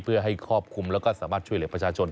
เพื่อให้ครอบคลุมแล้วก็สามารถช่วยเหลือประชาชน